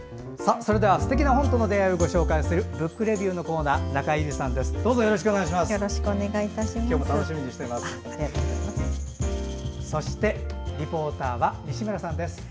それでは、すてきな本との出会いをご紹介する「ブックレビュー」のコーナー中江有里さんです。